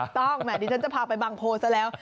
ถูกต้องดิฉันจะพาไปบางโพซะแล้ว